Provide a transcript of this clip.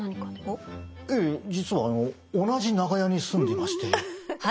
ええ実はあの同じ長屋に住んでまして。